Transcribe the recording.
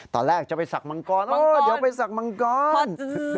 ตอนแรกจะไปสักมังกรมั้งเดี๋ยวไปสักมังกร